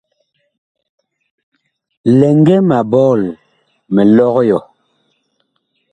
Lɛŋgɛ ma bɔɔl mi lɔg yɔ.